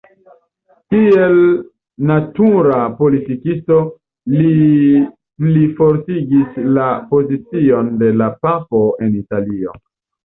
Kiel natura politikisto, li plifortigis la pozicion de la papo en Italio.